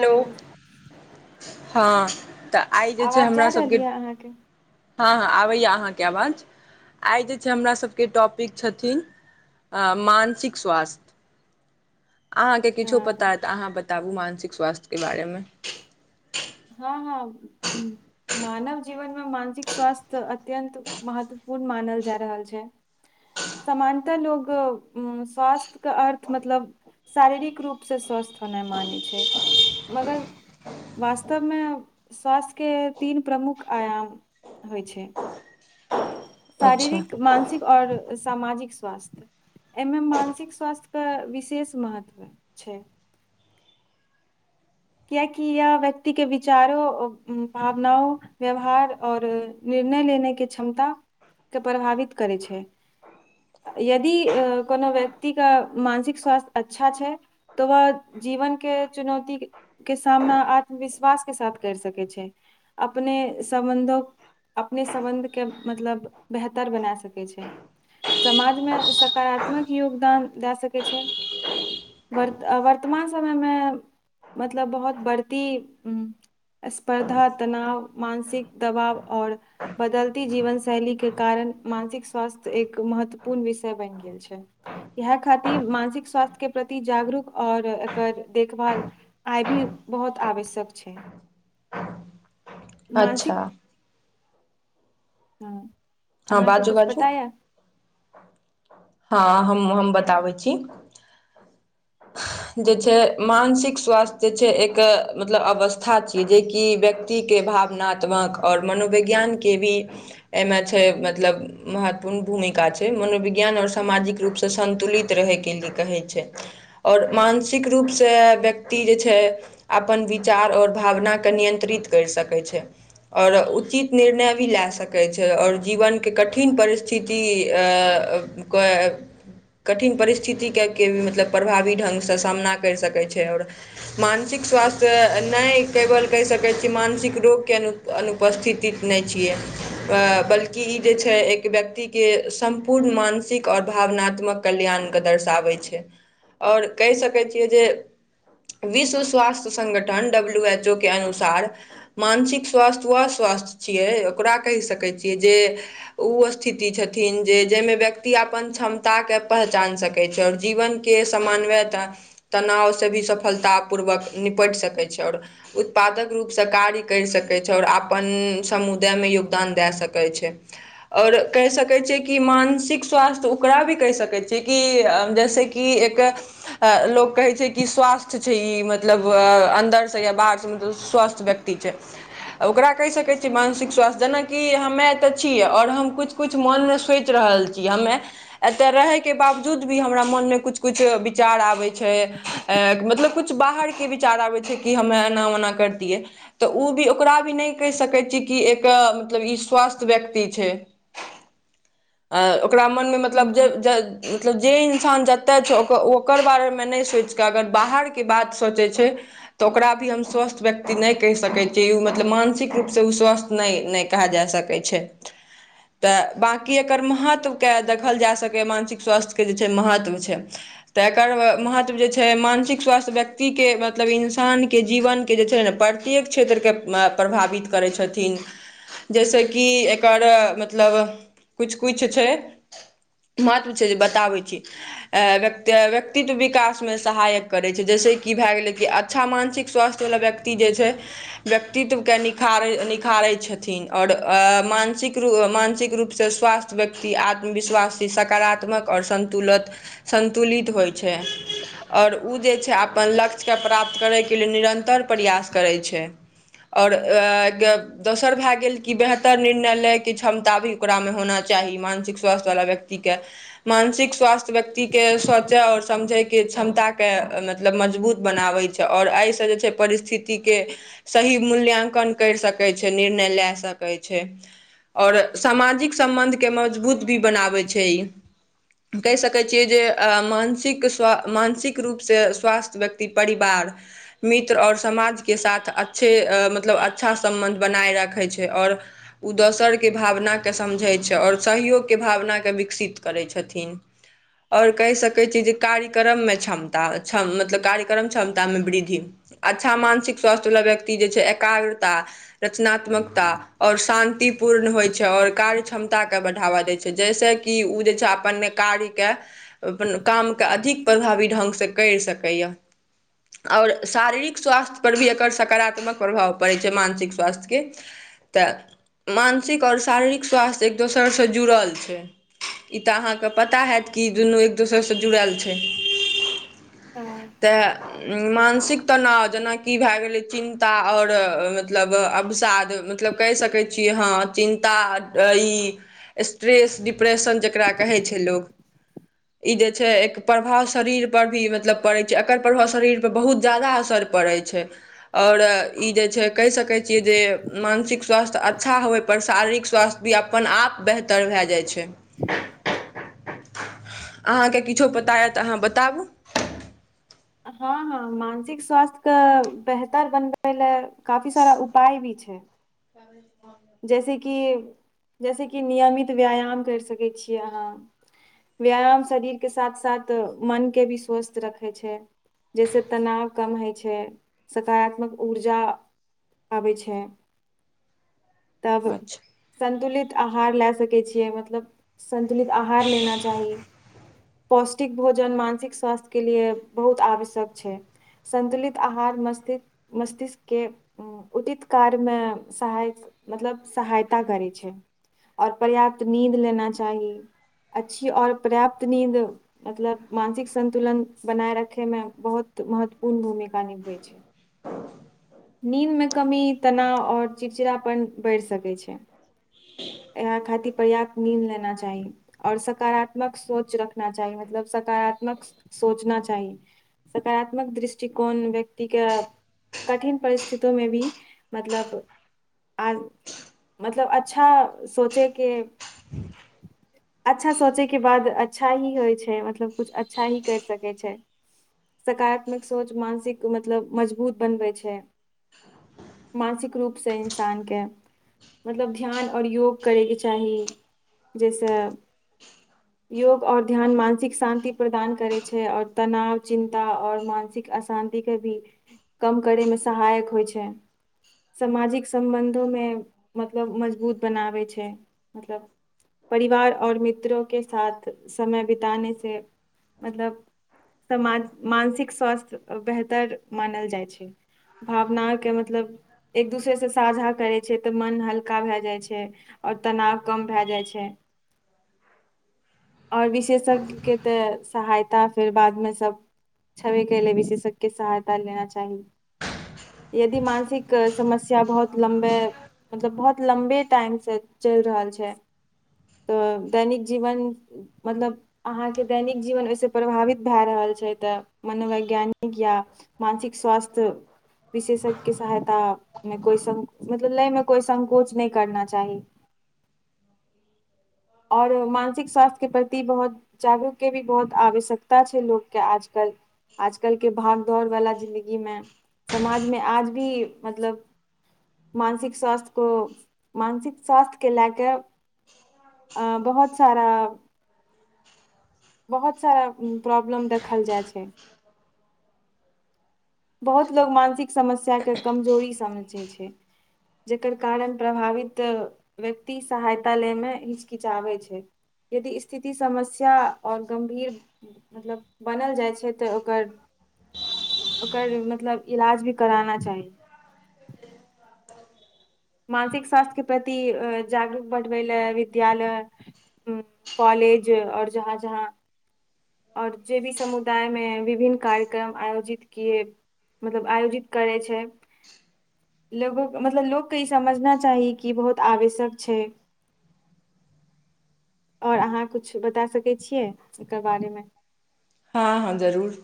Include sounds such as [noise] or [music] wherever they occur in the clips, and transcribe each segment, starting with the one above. Hello हाँ तऽ आइ जे छै आवाज जा हमरा रहल सबके यऽ अहाँके हाँ हाँ आबैया अहाँके आवाज आइ जे छै हमरा सभके टॉपिक छथिन आ मानसिक स्वास्थ्य अहाँके किछो पता हँ ऐ तऽ अहाँ बताबु मानसिक स्वास्थ्यके बारे मे हँ हँ मानव जीवनमे मानसिक स्वास्थ्य अत्यन्त महत्वपूर्ण न मानल जा रहल छै समानता लोगों स्वास्थ्यक अर्थ मतलब शारीरिक रूप से स्वस्थ होनाइ मानै छै मगर वास्तव मे स्वास्थ्यके तीन प्रमुख आयाम होइ छै अच्छा शारीरिक मानसिक आओर सामाजिक स्वास्थ्य एमे मानसिक स्वास्थ्य कऽ विशेष महत्व छै कियाकि यह व्यक्ति के विचारो भावनाओं व्यवहार आओर निर् निर्णय लेने के क्षमता के प्रभावित करै छै यदि अ कोनो व्यक्तिके मानसिक स्वास्थ्य अच्छा छै तऽ वह जीवन के चुनौती के के सामना आत्मविश्वास के साथ करि सकै छै अपने सम्बन्धो अपने सम्बन्ध केँ मतलब बेहतर बना सकैत छै समाजमे सकारात्म मक योगदान दए सकैत छै वर्तमान समयमे मतलब बहुत बढ़ती स्पर्धा तनाव मानसिक दबाव आओर बदलती जीवन शैली के कारण मानसिक स्वास्थ्य एक म्य महत्वपूर्ण विषय बनि गेल छै इहे खातिर मानसिक स्वास्थ्य के प्रति जागरूक आओर एकर देखभाल आइ भी बहुत आवश्यक छै अच्छा मानसिक हँ हँ अहाँके बाजू कुछ बाजू पता या? हँ हम हम बताबै छी जे छै मानसिक स्वास्थ्य जे छै एक मतलब अवस्था छिये जेकि व्यक्ति के भावनात्मक ओर मनोविज्ञान के भी एना छै मतलब महत्वपूर्ण भूमिका छै मनोवि्ञान और सामाजिक रूप से संतुलित रहे के लि कहै छै ओर मानसिक रूप सँ व्यक्ति जे छै अपन विचार ओर ओ भावना के नियंत्रित करि सकै छै ओर उचित निर्णय भी ले सकै छै आओर जीवन के कठिन परिस्थिति अ कय कठिन परिस्थितिके के मतलब प्रभावी ढंग सँ सामना करि सकैत छै आओर मानसिक स्वास्थ्य नहि केवल कहि सकैत छी मानसिक रोग के अनुपस्थितिक नहि छियै आ बल्कि के ई जे छै एक व्यक्ति के सम्पूर्ण मानसिक आओर भावनात्मक कल्याण के दर्शाबै छै आओर कहि सकै छियै जे विश्व स्वास्थ्य संगठन डब्ल्यू एच ओ के अनुसार मानसिक स्वास्थ्य वह स्वस् स्वास्थ छिये ओकरा कहि सकैत छियै जे ओ स्थिति छथिन जे जहिमे व्यक्ति अपन क्षमता के पहचान सकैत छथिन आओर जीवन के समानवयता तनाव से भी सफलता पूर्वक निपटि सकै छै आओर उत्पादक रूप सँ कार्य करि सकैत छै आओर अपन समुदाय मे योगदान दए सकैत छै आओर कहि सकैत छियै कि मानसिक स्वास्थ्य ओकरा भी कहि सकैत छियै की जैसे की एक लोक कहै छै की स्वास्थ्य छै ई मतलब अ अन्दर सँ सँ या बाहर से मतलब स्वस्थ व्यक्ति छै ओकरा कहि सकै छियै मानसिक स्वास्थ्य जेनाकि अहाँ हमे एतऽ छीय और हम कुछ कुछ मोन मे सोचि रहल छी हमे एते रहै के बावजूद भी हमरा मन मे कुछ कछ विचार आबै छै अ मतलब कुछ बाहरके विचार आबै छै कि हमे एना ओना करतियै तऽ ओ भी ओकरा भी नहि कहि सकै छियै कि एक मतलब ई ओ म [unintelligible] मतलब हुँ। जे इन्सान जता छै ओकर ओकर बारे मे नहि सोचि कऽ अगर बाहर के बात सोचै छै तऽ ओकरा भी हम स्वस्थ व्यक्ति नहि कहि सकैत छियै ओ मतलब मानसिक रूपसँ ओ स्वस्थ नहि नहि कहल जा सकै छथि तऽ बाँकी एकर महत्व के देखल जा सकैए मानसिक स्वास्थ्य के जे छै महत्व छै तऽ एकर महत्व जे छै मानसिक स्वास्थ्य व्यक्ति के मतलब इन्सान के जीवन के जे छै ने प्रत्येक क्षेत्र के प्रभावित करै छथिन जैसे क कि एकर मतलब कुछ कुछ छै महत्व छै जे बताबै छी अ व्त व्यक्तित्व विकास मे सहायक करैत छै जैसे की भए गेलै कि अच्छा मानसिक स्वास्थ्य वला व्यक्ति जे छै व्यक्तित्व के निखार रई छथिन आओर मानसिक रू मानसिक रूप से स्वास्थ्य व्यक्ति आत्मविश्वासी सकारात्मक आओर सं सन्तुलत सतुलित होइ छै आओर ओ जे छै अपन लक्ष्य केँ प्राप्त करय के लिय निरन्तर प्रयास करै छै आओर दोसर भए गेल कि बेहतर निर्णय लय के क्षमता भी ओकरा में होना चाही मानसिक स्वास्थ्य वाला व्यक्ति के मानसिक स्वास्थ्य व्यक्ति के सोचय आ और समझैके क्षमता के मतलब मजबूत बनाबै छै आ और एहिसँ जे छै परिस्थितिक के सही मूल्यां्कन करि सकैत छै निर्णय लय सक कहै छै और सामाजिक सम्बन्ध के मजबूत भी बनाबै छै ई कहि सकैत छियै जे मानसिक मानसिक रूप सँ स्वास्थ्य व्यक्ति परिवार मित्र और समाज के साथ अच्छे मतलब अच्छा सम्बन्ध बनाय रखै छै छै और दोसर के भावना के समझै छै आ और सहयोग के भावना के विकसित करै छै छथिन और कहि सकैत छीै जे कार्यक्रम में क्षमता क्षम मतलब कार्यक्रम क्षमता में वृद्धि अच्छा मानसिक स्वास्थ्य वाला व्यक्ति जे छै एकाग्रता रचनात्मक और शान्ति पूर्ण होइ छै और कार्य क्षमता के बढ़ावा देै छै जैसे कि ओ जे छै अपन कार्य के काम के अधिक प्रभावी ढङ्ग सँ करि सकैए और शारीरिक स्वास्थ्य पर भी एकर सकारात्मक प्रभाव पड़ै छै मानसिक स्वास्थ्य के तऽ मानसिक और शारीरिक स्वास्थ्य एक दोसरसँ जुड़ल छै ई तऽ अहाँके पता हैत कि दुनू एक दोसरसँ जुड़ल छै हँ, तऽ मानसिक तनाव जेना कि भए गेलै चिंन्ता और मतलब अवसाद मतलब कहि सके छीय ह चिंता ई स्ट्रेस डिप्रेशन जेकरा कहे छै लोक ई जे छै एक प्रभाव शरीर पर भी मतलब पड़ै छै एकर प्रभाव शरीर पर बहुत ज्यादा असर परै छै और ई जे छै कहि सकै छियै जे मानसिक स्वास्थ्य अच्छा होबय पर शारीरिक स्वास्थ्य भी अपन आप बेहतर भए जाइ छै अहाँ के किछो पता यए तऽ अहाँ बताबू हँ हँ मानसिक स्वास्थ्य कऽ बेहतर बनबै लए काफी सारा उपाय भी छै जैसे कि जैसे कि नियमित व्यायाम करि सकै छियै अहाँ व्यायाम शरीर के साथ साथ मन के भी स्वस्थ रखै छै जैसे तनाव कम होइ छै सकारात्मक ऊर्जा आबै छै तब अच्छा संतुलित आहार लए सकै छियै मतलब सन्तुंलित आहार लेना चाही पौष्टिक भोजन मानसिक स्वास्थ्य के लिए बहुत आवश्यक छै संन्तुलित आहार मस्त मस्तिष्क के उतित कार्य मे सहाय मतलब सहायता करै छै और पर्याप्त नींद लेना चाही अच्छी और पर्याप्त नींद मतलब मानसिक संन्तुलन बनाए रखय में बहुत तऽ महत्वपूर्ण भूमिका निभै छै नींद में कमी तनाव और चिड़चिड़ा पन बढ़ि सकैत छै यहाँ खाति पर्याप्त नीद लेना चाही और सकारात्मक सोच रखना चाही मतलब सकारात्मक सोचना चाही सकारात्मक दृष्टिकोण व्यक्ति के कठिन परिस्थिति में भी मतलब आ मतलब अच्छा सोचे के ह अच्छा सोचय के बाद अच्छा ही होइ छै मतलब किछु अच्छा ही करि सकै छै सकारात्मक सोच मानसिक मतलब मजबूत बनबै छै ह मानसिक रूप सँ इंसान के मतलब ध्यान और योग करय के चाही जाहिसँ योग आ और ध्यान मानसिक शान्ति प्रदान करैत छै आ और तनाव चिन्ता और मानसिक एक अशान्तिक के भी कम करै में सहायक होइ छै सामाजिक सम्बन्धो मे मतलब मजबूत बनाबै छै मतलब परिवार आऔर मित्रो के साथ समय बिताने से मतलब समाज मानसिक स्वास्थ्य बेहतर मानल जाइ छै भावनाके मतलब एक दूसरेसँ साझा करै छै तऽ मन हल्का भए जाइ छै आओर तनाव कम भए जाइ छै [inaudible] आओर विशेषज्ञके तऽ सहायता फेर बादमे सभ छवि के लेल विशेषज्के सहायता लेना चाही यदि मानसिक समस्या बहुत लम्बे मतलब बहुत लम्बे टाइम सँ चलि रहल छै तऽ दैनिक जीवन मतलब अहाँके दैनिक जीवन ओहिस प्रभावित भए रहल छै तऽ मनोवैज्ञानिक या मानसिक स्वास्थ्य विशेषज्ञके सहायतामे कोइ सं मतलब लैमे कोइ संकोच नहि करना चाही [inaudible] आओर मानसिक स्वास्थ्य के प्रति बहुत जागरूक के भी बहुत आवश्यकता छै लोकके आजकल आजकल के भाग दौड़ वालला जिंन्दगी मे समाजमे आज भी मतलब मानसिक स्वास्थ्य को मानसिक स्वास्थ्य केँ लए कऽ आ बहुत सारा बहुत सारा प्रॉब्लम देखल जाइ छै बहुत लोको मानसिक समस्या के कमजोरी समझै छै जकर कारण प्रभावित व्यक्ति सहायता लेमे हिचकिचाबै छै यदि स्थिति समस्या आओर गम्भीर मतलब बनल जाइ छै तऽ ओकर [inaudible] ओकर मतलब इलाज भी कराना चाही मानसिक स्वास्थ्यके प्रति जागरूक बढ़बै लए विद्यालय उ कॉलेज और जहाँ जहाँ और जे भी समुदाय मे विभिन्न कार्यक्रम आयोजित किए मतलब आयोजित करै छै लोगोक मतलब लोककेँ ई समझना चाही कि बहुत आवश्यक छै [inaudible] आओर अहाँ कुछ बता सकै छियै एकर बारेमे हँ हँ जरूर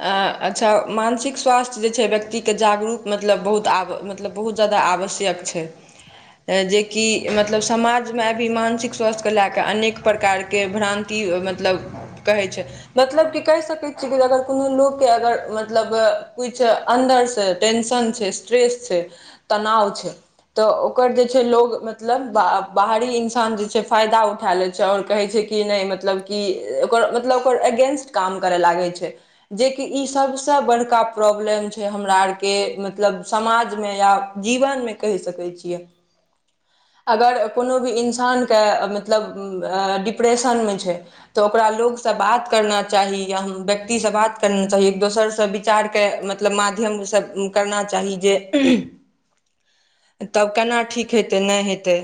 अ अच्छा मानसिक स्वास्थ्य जे छै व्यक्तिके जागरूक मतलब बहुत आब मतलब बहुत जादा मुदा आवश्यक छै जेकि मतलब समाजमे अभी मानसिक स्वास्थ के लए क अनेक प्रकारके भ्रानि मतलब कहै छै मतलब कि कहि सकै छियै कि अगर कोनो लोककेँ अगर मतलब कुछि अन्दरसँ टेंशन छै स्ट्रेस छै तनाव छै तऽ ओकर जे छै लोग मतलब बाहरी इंसान जे छै फायदा उठा ले छै आओर कहै छै की नइ मतलब कि ओ मतलब ओकर एगेन्स्ट काम करै लागै छै जेकि ई सबस बड़का प्रॉब्लम छै हमरा आर के मतलब समाज में या जीवन मे कहि सकै छियै अगर कोनो भी इन्सानके मतलब डिप्रेशन मे छै तऽ ओकरा लोग सँ बात करना चाही या हम व्यक्ति सँ बात करना चाही एक दोसर सँ विचार के मतलब माध्यम सँ करना चाही जे तब केना ठीक हेतै नहि हेतै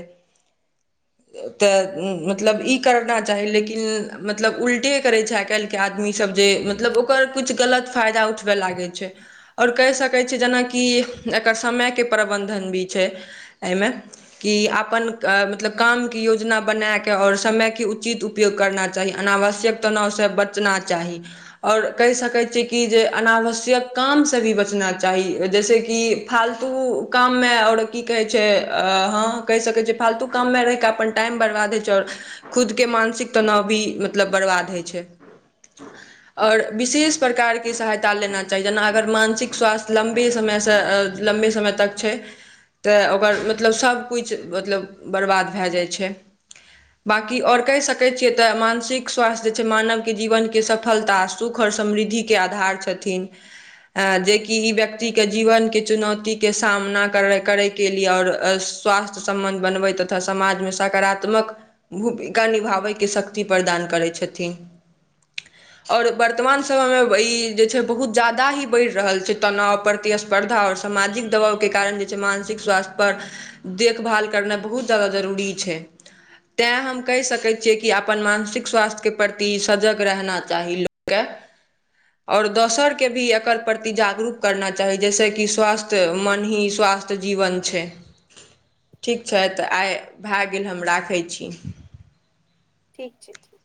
तऽ मतलब ई करना चाही लेकिन मतलब उल्टे करैत छै आइ काल्हिके आदमी सभ जे मतलब ओकर कुछ गलत फायदा उठ ल छै आओर कहि सकै छी जेनाकि एकरय बंधन भी छै एहिमे कि अपन मतलब कामके योजना बना क आओर समय के उचित उपयोग करना चाही अनावश्यक तनाव सँ बचना चाही आओर कहि सकैत छियै कि जे अनावश्यक काम सँ भी बचना चाही जैसेक कि फालतू ओ काममे आओर की कहै छै हँ कहि सकै छी फालतू काममे रहि कऽ अपन टाइम बरबादे च खुदके मानसिक तनाव भी मतलब बर्बाद होइ छै आओर विशेष प्रकारके सहायता लेना चाही जेना अगर मानसिक स्वास्थ्य लम्बे समय लम्बे समय तक छै तऽ ओ मतब सबकुछ मतलब बर्बाद भए जाइ छै बाकी आओर कहि सकैत छियै तऽ मानसिक स्वास्थ्य जे छै मानवके जीवने सफलता सुख आओर समृद्धिके आधार छथिन आ जेकि ई व्यक्तिके जीवनके चुनौतीके सामना कर करयके लिए आओर स्वास्थ्य सम्बन्ध बनबै तथा समाजमे सकारात्मक भूमिका निभाबैके शक्ति प्रदान करै छथिन आओर वर्तमान समयमे ई जे छै बहुत ज्यादा ही बढ़ि रहल छै तनाव प्रतिस्पर्धा आओर समाज दबावके कारण जे छै मानसिक स्वास्थ्य पर देखभाल करनाइ बहुत जादा जरूरी छै तैँ हम कहि सकैत छियै कि अपन मानसिक स्वास्थ्यके प्रति सजग रहना चाही लोक के आओर दोसर के भी एकर प्रति जागरूक करना चाही जैसेकि स्वास्थ्य मन ही स्वा स्वास्थ्य जीवन छै ठीक छै तऽ आइ भए गेल हम राखै छी ठीक छै ठीक